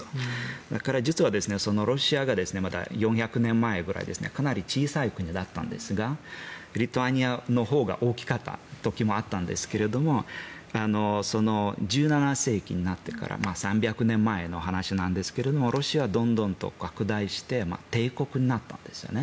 だから実はロシアが４００年前くらいかなり小さい国だったんですがリトアニアのほうが大きかった時もあったんですが１７世紀になってから３００年前の話なんですがロシアはどんどんと拡大して帝国になったんですね。